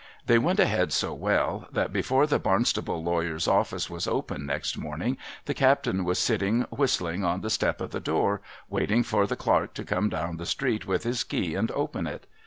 They went ahead so well that before the I'arnstaple lawyer's ofilice was open next morning, the captain was sitting whistling on the step of the door, waiting for the clerk to come down the street with his key and open it.